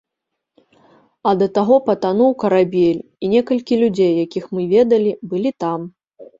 А да таго патануў карабель, і некалькі людзей, якіх мы ведалі, былі там.